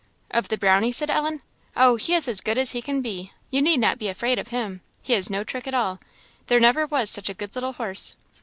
"Of the Brownie?" said Ellen "oh, he is as good as he can be; you need not be afraid of him; he has no trick at all; there never was such a good little horse."